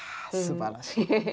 いやすばらしい。